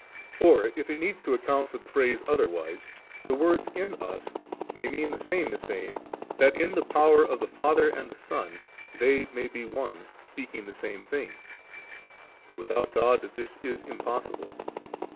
Or if it needs to account for the phrase otherwise, the words ' in Us ' may mean the same as saying, that in the power of the Father and the Son they may be one, speaking the same things'; for without God this is impossible.